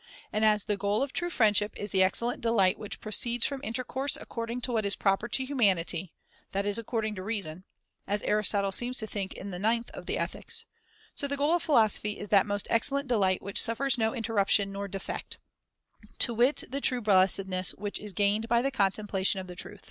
And as the goal Q1403 of true " friendship is the excellent delight which pro ceeds from intercourse according to what is proper to humanity, that is according to reason (as Aristotle seems to think in the ninth of the Ethics) y so the goal of philosophy is that most excellent delight which suffers no interruption nor defect, to wit the true blessedness which is gained by the contemplation of the truth.